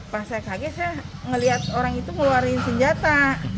pas saya kaget saya melihat orang itu ngeluarin senjata